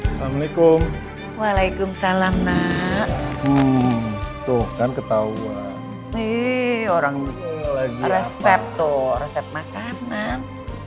assalamualaikum waalaikumsalam nak tuh kan ketauan nih orang lagi resep tuh resep makanan